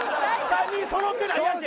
３人揃ってないやんけ